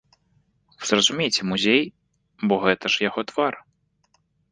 Вы зразумейце музей, бо гэта ж яго твар!